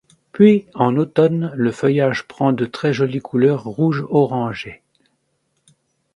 Puis en automne le feuillage prend de très jolies couleurs rouge orangé.